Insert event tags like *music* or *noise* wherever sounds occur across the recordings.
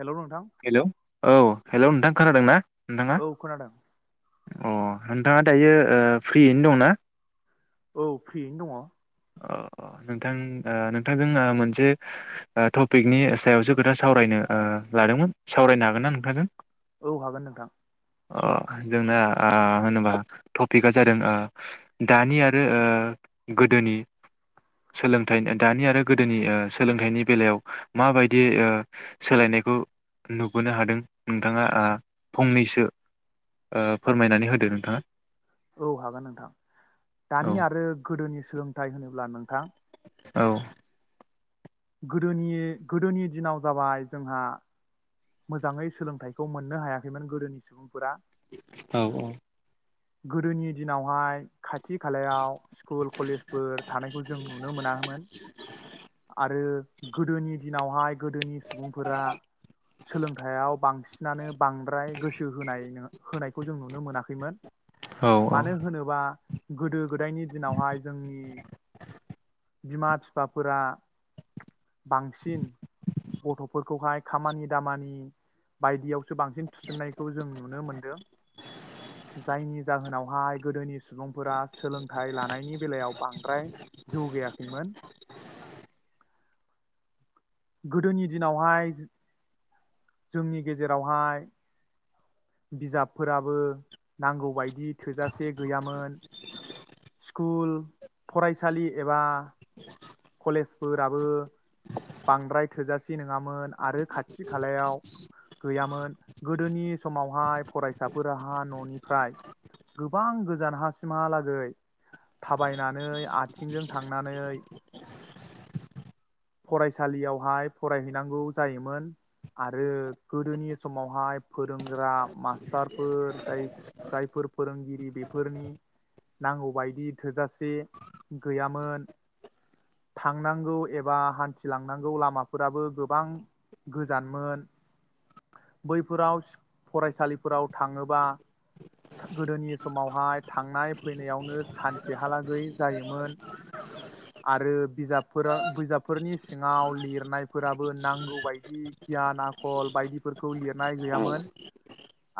Hello नोंथां hello औ hello नोंथां खोनादों ना नोंथाङा औ खोनादों अ नोंथाङा दायो ओ फ्रियैनो दङना औ फ्रियैनो दङ' अ अ नोंथां ओ नोंथांजों मोनसे ओ टपिकनि सायावसो खोथा सावरायनो ओ लादोंमोन सावरायनो हागोन ना नोंथांजों औ हागोन नोंथां अ जोंना आ होनोबा टपिकआ जादों ओ दानि आरो ओ गोदोनि सोलोंथाइ दानि आरो गोदोनि ओ सोलोंथाइनि बेलायाव माबायदि ओ सोलायनायखौ नुबोनो हादों नोंथाङा आ फंनैसो ओ फोरमायनानै होदो नोंथाङा औ हागोन नोंथां औ दानि आरो गोदोनि सोलोंथाइ होनोब्ला नोंथां औ गोदोनि गोदोनि दिनाव जाबाय जोंहा मोजाङै सोलोंथाइखौ मोननो हायाखैमोन गोदोनि सुबुंफोरा औ औ गोदोनि दिनावहाय खाथि खालायाव स्कुल कलेजफोर थानायखौ जों नुनो मोनामोन आरो गोदोनि दिनावहाय गोदोनि सुबुंफोरा सोलोंथायाइयाव बांसिनानो बांद्राय गोसो होनाय होनायखौ जों नुनो मोनाखैमोन औ मानो होनोबा गोदो गोदायनि दिनावहाय जोंनि बिमा बिफाफोरा बांसिन गथ'फोरखौहाय खामानि दामानि बायदियावसो बांसिन थुसिननायखौ जों नुनो मोनदों जायनि जाहोनावहाय गोदोनि सुबुंफोरा सोलोंथाइ लानायनि बेलायाव बांद्राय जौ गायाखैमोन। गोदोनि दिनावहाय जोंनि गेजेरावहाय बिजाबफोराबो नांगौ बायदि थोजासे गैयामोन। स्कुल फरायसालि एबा कलेजफोराबो बांद्राय थोजासे नोङामोन आरो खाथि खालायाव गैयामोन गोदोनि समाव फरायसालियावहाय फरायहैनांगौ जायोमोन आरो गोदोनि समावहाय फोरोंग्रा मास्टारफोर जाय जायफोर फोरोंगिरि बेफोरनि नांगौबायदि थोजासे गैयामोन थांनांगौ एबा हान्थिलांनांगौ लामाफोराबो गोबां गोजानमोन बैफोराव फरायसालिफोराव थाङोबा गोदोनि समावहाय थांनाय फैनायावनो सानसेहालागै जायोमोन। आरो बिजाबफोर बिजाबफोरनि सिङाव लिरनायफोराबो नांगौ बायदि गियान आखल बायदिफोरखौ लिर नाय गैयामोन।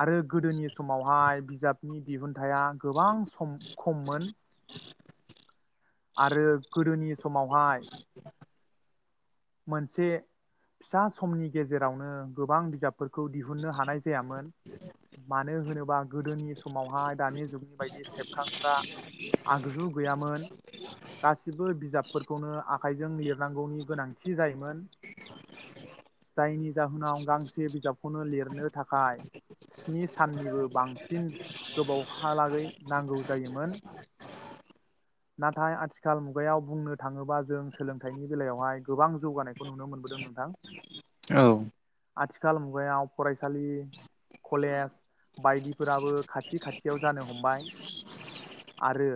आरो गोदोनि समावहाय बिजाबनि दिहुनथाइया गोबां सम खममोन आरो गोदोनि समावहाय मोनसे फिसा समनि गेजेरावनो गोबां बिजाबफोरखौ दिहुन्नो हानाय जायामोन मानो होनोब्ला गोदोनि समावहाय दानि जुगबायदि सेबखां ग्रा आगजु गैयामोन गा बिजाबफोरखौनो आखाइजों लिरनांगौनि गोनांथि जायोमोन। जायनि जाहोनाव गांसे बिजाबखौनो लिरनो थाखाय स्नि साननिबो बांसिन गोबावहालागै नांगौ जायोमोन। नाथाय आथि खाल मुगायाव बुंनो थाङोबा जों सोलोंथाइनि बेलायावहाय गोबां जौगानायखौ नुनो मोनबोदों नोंथां। औ। आथिखाल मुगायाव फरायसालि कलेज बायदिफोराबो खाथि खाथियाव जानो हमबाय आरो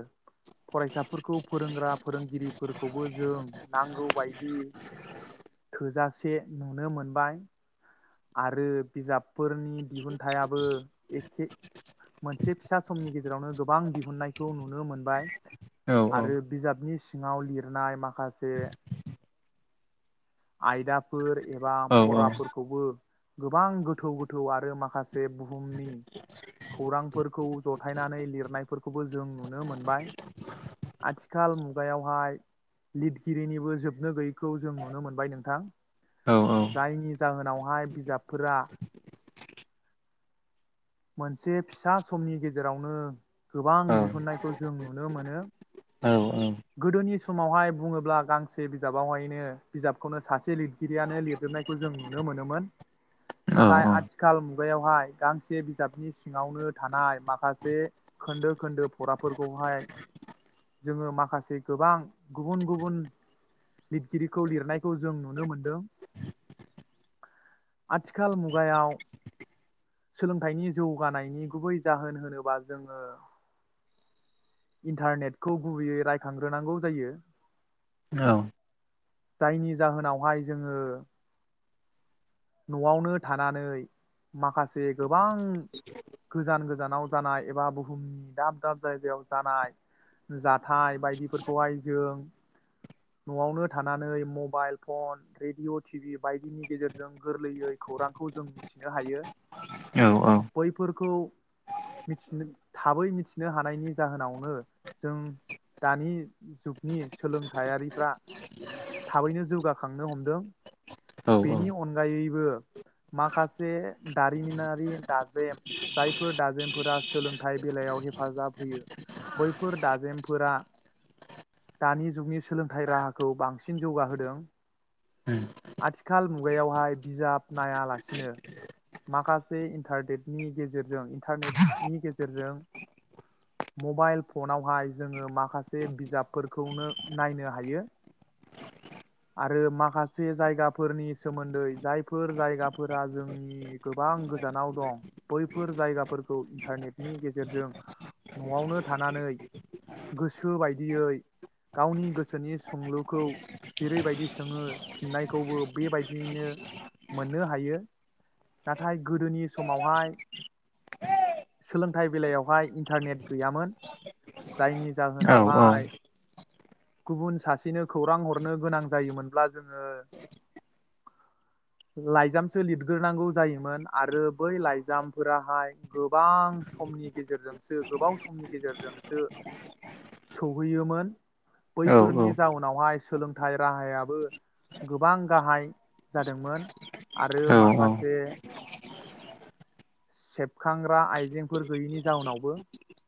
फरायसाफोरखौ फोरोंग्रा फोरोंगिरिफोरखौबो जों नांगौबायदि थोजासे नुनो मोनबाय। आरो बिजाबफोरनि दिहुनथाइयाबो एखे मोनसे फिसा समनि गेजेरावनो गोबां दिहुननायखौ नुनो मोनबाय। औ आरो बिजाबनि सिङाव लिरनाय माखासे आयदाफोर एबा फराफोरखौबो गोबां गोथौ गोथौ आरो माखासे बुहुमनि खौरांफोरखौ जथायनानै लिरनायफोरखौबो जों नुनो मोनबाय आथिखाल मुगायावहाय लिरगिरिनिबो जोबनो गैयैखौ जों नुनो मोनबाय। बाय नोंथां जायनि जाहोनावहाय बिजाबफोरा मोनसे फिसा समनि गेजेरावनो गोबां दिहुननायखौ जों नुनो मोनो गोदोनि समावहाय बुङोब्ला गांसे बिजाबावहायनो बिजाबखौनो सासे लिरगिरियानो लिरजोबनायखौ जों नुनो मोनोमोन नाथाय आथिखाल मुगायावहाय गांसे बि जाबनि सिङावनो थानाय माखासे खोन्दो खोन्दो फराफोरखौहाय जोंङो माखासे गोबां गुबुन गुबुन लिरगिरिखौ लिरनायखौ जों नुनो मोनदों आथिखाल मुगायाव सोलोंथाइनि जौगानायनि गुबै जाहोन होनोबा जोंङो इन्टारनेटखौ गुबैयै रायखांग्रोनांगौ जायो जायनि जाहोनावहाय जोंङो नआवनो थानानै माखासे गोबां गोजान गोजानाव जानाय एबा बुहुमनि दाब दाब जायगायाव जानाय जाथाय बायदिफोरखौहाय जों नआवनो थानानै मबाइल फन रेडिअ टिभि बायदिनि गेजेरजों जों गोरलैयै खौरांखौ जों मिथिनो हायो औ औ खौ थाबै मिथिनो हानायनि जाहोनावनो जों दानि जुगनि सोलोंथाइयारिफ्रा थाबैनो जौगाखांनो हमदों। बेनि अनगायैबो माखासे दारिमिनारि दाजेम जायफोर दाजेमफोरा सोलोंथाइ बेलायाव हेफाजाब होयो बैफोर दाजेमफोरा दानि जुगनि सोलोंथाइ राहाखौ बांसिन जौगाहोदों आथिखाल मुगायावहाय बिजाब नायालासिनो माखासे इन्टारनेटनि गेजेरजों इन्टारनेटनि गेजेरजों मबाइल फनावहाय जोङो माखासे बिजाबफोरखौनो नायनो हायो आरो माखासे जायगा फोरनि सोमोन्दै जायफोर जायगाफोरा जोंनि गोबां गोजानाव दं बैफोर जायगाफोरखौ इन्टारनेटनि गेजेरजों न'आवनो थानानै गोसो बायदियै गावनि गोसोनि संलुखौ जेरै बायदि सोङो फिननायखौबो बेबायदियैनो मोननो हायो नाथाय गोदोनि समावहाय सोलोंथाइ बेलायावहाय इन्टारनेट गैयामोन। जायनि जाहोनावहाय गुबुन सासेनो खौरां हरनो गोनां जायो मोनब्ला जोंङो लाइजामसो लिरग्रोनांगौ जायोमोन आरो बै लाइजामफोराहाय गोबां समनि गेजेरजोंसो गोबाव समनि गेजेरजोंसो सौहैयोमोन बैफोरनि जाउनावहाय सोलोंथाइ राहायाबो गोबां गाहाय जादोंमोन आरो माखासे सेबखांग्रा आइजेंफोर गैयिनि जाउनावबो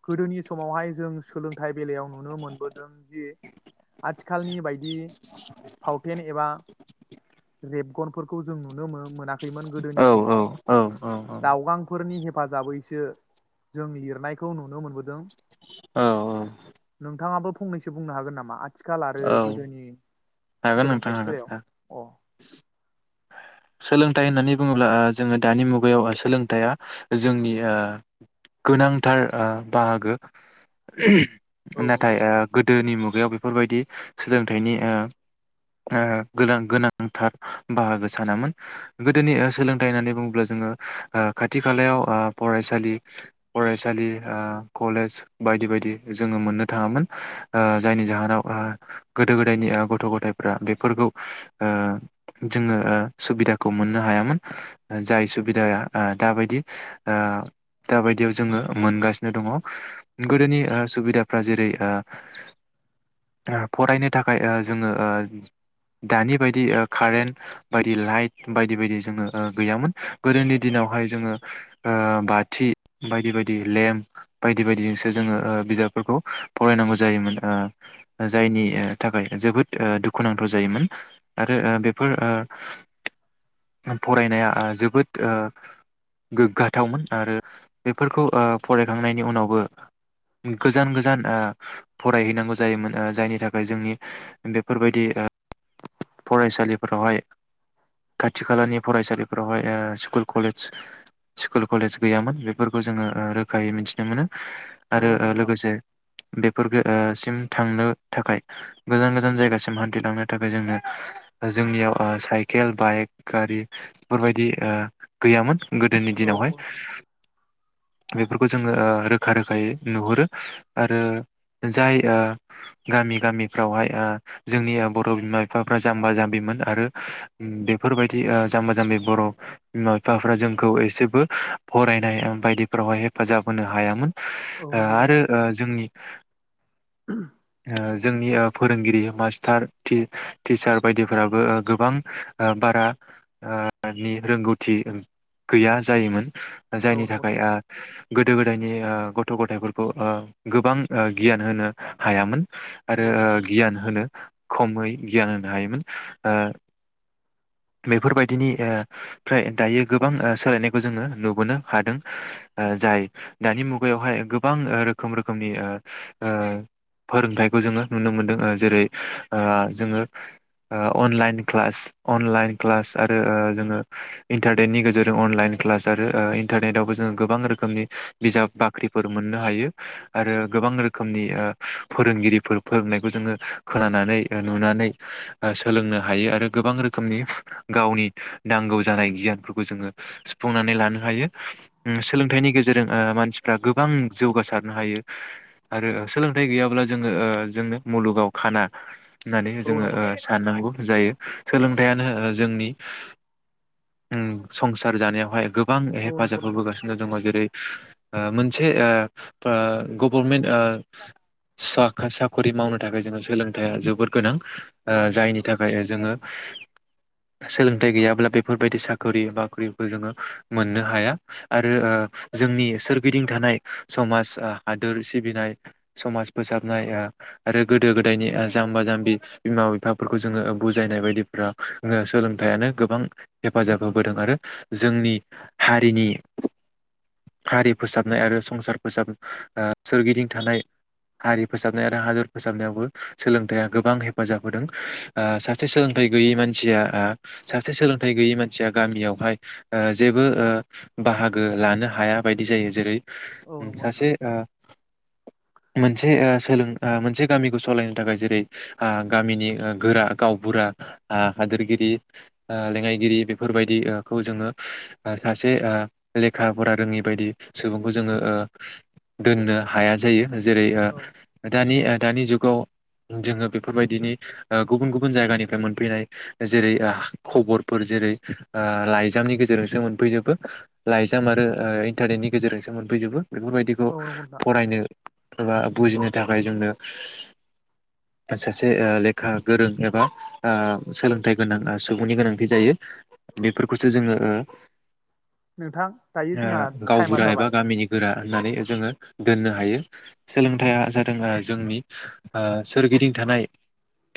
गोदोनि समावहाय जों सोलोंथाइ बेलायाव नुनो मोनबोदों दि आथिखालनि बायदि फावथेन एबा रेबगनफोरखौ जों नुनो मोनाखैमोन गोदोनि समाव दावगांफोरनि हेफाजाबैसो जों लिरनायखौ नुनो मोनबोदों औ नोंथांङाबो फंनैसो बुंनो हागोन नामा आथिखाल आरो औ गोदोनि हागोन नोंथां सोलोंथाइनि बेलायाव हागोन अ सोलोंथाइ होननानै बुंङोब्ला ओ जोङो दानि मुगायाव सोलोंथाइया जोंनि ओ गोनांथार ओ बाहागो औ नाथाय नंगौ ओ दोनि मुगायाव बेफोरबायदि सोलोंथाइनि ओ ओ गोनां गोनांथार बाहागो सानामोन गोदोनि ओ सोलोंथाइ होननानै बुङोब्ला जोंङो ओ खाथि खालायाव ओ फरायसालि फरायसालि ओ कलेज बायदि बायदि जोंङो मोननो थाङामोन ओ जायनि जाहोनाव ओ गोदो गोदायनि ओ गथ' गथायफ्रा बेफोरखौ ओ जोंङो ओ सुबिदाखौ मोननो हायामोन जाय सुबिदाया ओ दाबायदि ओ दाबायदियाव जोंङो मोनगासिनो दंङ गोदोनि ओ सुबिदा जेरै ओ ओ फरायनो थाखाय ओ जोंङो ओ दानि बायदि ओ कारेन्ट बायदि लाइट बायदि बायदि जोंङो ओ गैयामोन गोदोनि दिनावहाय जोङो ओ बाथि बायदि बायदि लेम्प बायदि बायदिजोंसो जोङो ओ बिजाबफोरखौ फरायनांगौ जायोमोन ओ जायनि ओ थाखाय जोबोद ओ दुखुनांथाव जायोमोन आरो ओ बेफोर ओ फरायनाया ओ जोबोद ओ गोग्गाथावमोन आरो बेफोरखौ ओ फरायखांनायनि उनावबो गोजान गोजान ओ फरायहैनांगौ जायोमोन ओ जायनि थाखाय जोंनि बेफोरबायदि ओ फरायसालि फोरावहाय खाथि खालानि फरायसालिफोरावहाय ओ स्कुल कलेज स्कुल कलेज गैयामोन बेफोरखौ जोङो ओ रोखायै मिथिनो मोनो आरो औ नंगौ ओ नोंथां लोगोसे बेफोरखो ओ सिम थांनो थाखाय गोजान गोजान जायगासिम हान्थिलांनो थाखाय जोंनो जोंनियाव ओ साय साइकेल बाइक गारि बेफोरबायदि ओ गैयामोन गोदोनि औ दिनावहाय नंगौ नोंथां बेफोरखौ जोङो ओ रोखा रोखायै नुहुरो आरो जाय ओ गामि गामिफ्रावहाय ओ जोंनि बर' बिमा बिफाफ्रा जाम्बा जाम्बिमोन आरो उम बेफोरबायदि ओ जाम्बा जाम्बि बर' बिमा बिफाफ्रा जोंखौ एसेबो फरायनाय बायदिफ्रावहाय हेफाजाब होनो हायामोन। औ ओ नंगौ आरो नोंथां ओ जोंनि ओ जोंनि ओ फोरोंगिरि मास्टार टि टिचार बायदिफोराबो ओ गोबां ओ बारा ओ नि रोंगौथि गैया जायोमोन ओ औ जायनि नंगौ थाखाय नोंथां ओ गोदो गोदायनि ओ गथ' गथ' गथायफोरखौ ओ गोबां ओ गियान होनो हायामोन। आरो औ ओ नंगौ नोंथां गियान होनो खमै गियान होनो हायोमोन ओ बेफोरबायदिनि ओ फ्रा दायो गोबां ओ सोलायनायखौ जोङो नुबोनो हादों ओ जाय दानि मुगायावहाय गोबां ओ रोखोम रोखोमनि ओ ओ फोरोंथाइखौ जोङो नुनो मोनदों ओ जेरै़ ओ जोङो ओ अनलाइन क्लास। अनलाइन क्लास आरो ओ जोङो इन्टारनेटनि गेजेरजों अनलाइन क्लास ओ आरो इन्टारनेटावबो जोङो गोबां रोखोमनि बिजाब बाख्रिफोर मोननो हायो आरो गोबां रोखोमनि ओ फोरोंगिरिफोर फोरोंनायखौ जोङो खोनानानै नुनानै सोलोंनो हायो आरो गोबां रोख रोखोमनि गावनि नांगौ जानाय गियानफोरखौ जोङो सुफुंनानै लानो हायो उम सोलोंथाइनि गेजेरजों ओ मानसिफ्रा गोबां जौगासारनो हायो आरो सोलोंथाइ गैयाब्ला ओ जोङो जोंनो मुलुगाव खाना। होननानै औ जोङो नंगौ ओ नोंथां साननांगौ जायो। सोलोंथायानो ओ जोंनि उम संसार जानायावहाय गोब गोबां औ नंगौ हेफाजाब नोंथां होबोगासिनो दङ जेरै ओ मोनसे ओ ओ गभर्मेन्ट ओ साख साखरि मावनो थाखाय जोंनो सोलोंथाया जोबोर गोनां। औ ओ नंगौ जायनि नोंथां थाखाय ओ जोङो सोलोंथाइ गैयाब्ला बेफोरबायदि साखरि बाखरिखौ जोङो मोननो हाया आरो ओ जोंनि सोरगिदिं थानाय समाज हादोर सिबिनाय समाज फोसाबनाय ओ आरो गोदो गोदायनि ओ जाम्बा जाम्बि बिमा बिफाफोरखौ ओ जोङो बुजायनाय बायद *unintelligible* सोलोंथायाइयानो गोबां हेफाजाब होबोदों आरो जोंनि हारिनि हारि फोसाबनाय आरो संसार फोसाब सोरगिदिं थानाय हारि फोसाबनाय आरो हादोर फोसाबनायावबो सोलोंथाइया गोबां हेफाजाब होदों सासे सों *unintelligible* गैयै मानसिया ओ सासे सोलोंथाइ गैयै मानसिया गामियावहाय ओ जेबो ओ बाहागो लानो हाया बायदि जायो जेरै औ उम नंगौ सासे नोंथां ओ मोनसे ओ सोलों ओ मोनसे गामिखौ सलायनो थाखाय जेरै आ गामिनि ओ गोरा गावबुरा आ हादोरगिरि ओ लेङाइगिरि बेफोरबायदिओखौ ओ जोङो ओ सासे ओ लेखा फरा रोङि बायदि सुबुंखौ जोङो ओ दोननो हाया जायो। जेरै ओ औ दानि ओ दानि जुग औ जोङो बेफोरबायदिनि ओ गुबुन गुबुन जायगानिफ्राय मोन फैनाय जेरै आ खबरफोर जेरै ओ लाइजामनि गेजेरजोंसो मोनफैजोबो लाइजाम आरो ओ इन्टारनेटनि गेजेरजोंसो मोनफैजोबो। बेफोरबायदिखौ औ नंगौ नोंथां फरायनो एबा बुजिनो थाखाय जोंनो सासे ओ लेखा गोरों एबा आ सोलोंथाइ गोनां आ सुबुंनि गोनांथि जायो बेफोरखौसो जोङो ओ नोंथां दायो ओ जोंहा गावबुरा टाइमा एबा जाबाय। गामिनि गोरा होननानै जोङो दोननो हायो सोलोंथाइया जादों आ जोंनि ओ सोरगिदिं थानाय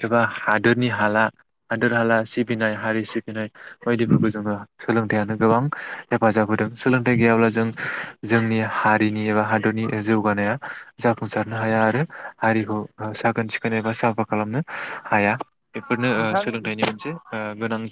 एबा हादोरनि हाला हादोर हाला सिबिनाय हारि सिबिनाय बायदिफोरखौ जोङो सोलोंथाइयानो गोबां हेफाजाब होदों सोलोंथाइ गैयाब्ला जों जोंनि हारिनि एबा हादोरनि जौगानाया जाफुंसारनो हाया आरो हारिखौ ओ साखोन सिखोनै एबा साफा खालामनो हाया। बेफोरनो ओ नोंथां सोलोंथाइनि मोनसे ओ गोनां